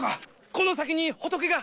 この先に仏が！